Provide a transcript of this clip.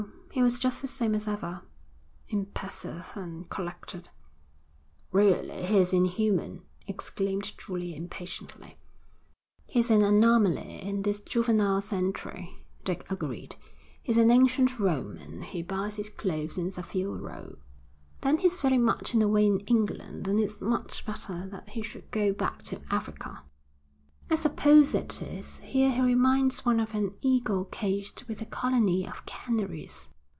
He was just the same as ever, impassive and collected.' 'Really, he's inhuman,' exclaimed Julia impatiently. 'He's an anomaly in this juvenile century,' Dick agreed. 'He's an ancient Roman who buys his clothes in Savile Row.' 'Then he's very much in the way in England, and it's much better that he should go back to Africa.' 'I suppose it is. Here he reminds one of an eagle caged with a colony of canaries.'